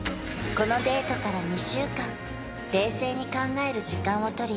このデートから２週間冷静に考える時間を取り